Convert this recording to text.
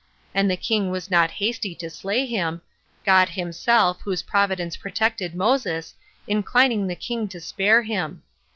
And the king was not hasty to slay him, God himself, whose providence protected Moses, inclining the king to spare him.